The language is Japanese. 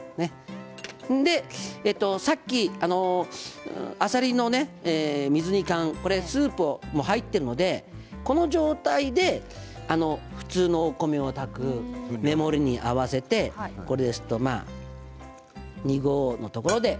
さっき、あっさりの水煮缶スープも入っているのでこの状態で、普通のお米を炊く目盛りに合わせて２合のところで。